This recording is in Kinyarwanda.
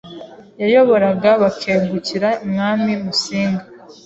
yayoboraga bakegukira Umwami Musinga.